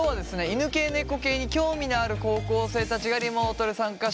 犬系・猫系に興味のある高校生たちがリモートで参加してくれてます。